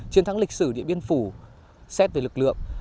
chiến thắng lịch sử điện biên phủ xét về lực lượng